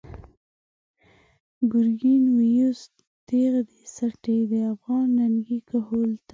“گرگین” ویوست تیغ د سټی، د افغان ننگی کهول ته